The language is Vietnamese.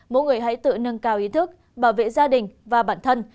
mỗi người hãy tự nâng cao ý thức bảo vệ gia đình và bản thân